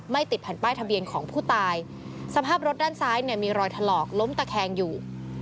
ติดแผ่นป้ายทะเบียนของผู้ตายสภาพรถด้านซ้ายเนี่ยมีรอยถลอกล้มตะแคงอยู่